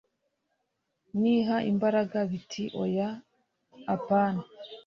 niha imbaraga biti : oya apana